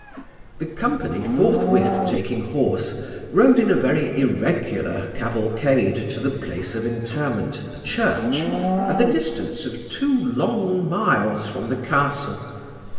The company forthwith taking horse, rode in a very irregular cavalcade to the place of interment, a church, at the distance of two long miles from the castle.